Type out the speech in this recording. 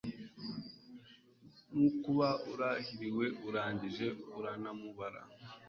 Nuko uba urahiriwe urangije uranamubura